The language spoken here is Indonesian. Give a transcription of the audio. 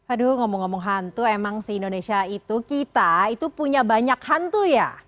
aduh ngomong ngomong hantu emang si indonesia itu kita itu punya banyak hantu ya